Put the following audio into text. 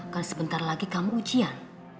kan sebentar lagi kamu ujian